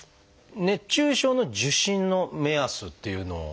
熱中症の受診の目安っていうのはありますか？